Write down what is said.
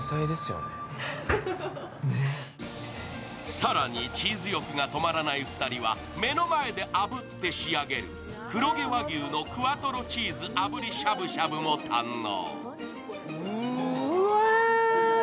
更にチーズ欲が止まらない２人は目の前であぶって仕上げる黒毛和牛のクワトロチーズ炙りしゃぶしゃぶも堪能。